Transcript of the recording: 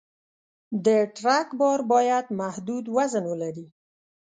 د ټرک بار باید محدود وزن ولري.